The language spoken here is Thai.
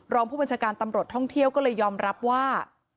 รองผู้บัญชาการตำรวจท่องเที่ยวก็เลยยอมรับว่า